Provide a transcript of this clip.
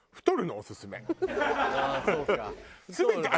ああそうか。